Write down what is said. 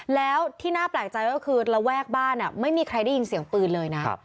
แล้วที่น่าแปลกใจก็คือระแวกบ้านไม่มีใครได้ยินเสียงปืนเลยนะ